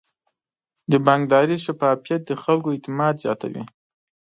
د بانکداري شفافیت د خلکو اعتماد زیاتوي.